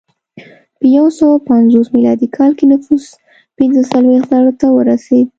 په یو سوه پنځوس میلادي کال کې نفوس پنځه څلوېښت زرو ته ورسېد